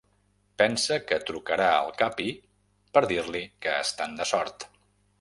Pensa que trucarà al Capi per dir-li que estan de sort.